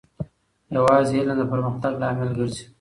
یوازې علم د پرمختګ لامل ګرځي.